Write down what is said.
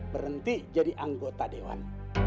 berhenti jadi anggota dewan